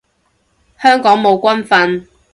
香港冇軍訓